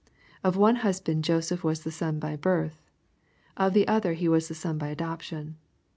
Of one husband Joseph was the son by birth. Of the other he was the son by adoption.